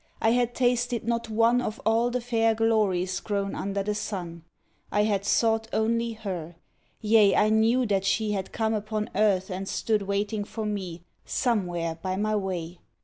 I had tasted not one Of all the fair glories grown under the sun. I had sought only her. Yea, I knew that she Had come upon earth and stood waiting for me Somewhere by my way.